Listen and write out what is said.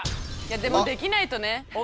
でもできないとね。